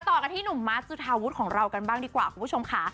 ต่อกันที่หนุ่มมาสจุธาวุฒิของเรากันบ้างดีกว่าคุณผู้ชมค่ะ